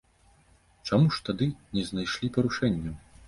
Чаму ж тады не знайшлі парушэнняў?